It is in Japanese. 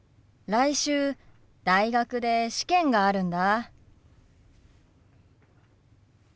来週大学で試験があるんだ。